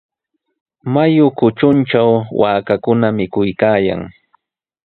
Mayu kutruntraw waakakuna mikuykaayan.